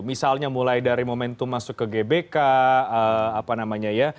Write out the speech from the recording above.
misalnya mulai dari momentum masuk ke gbk apa namanya ya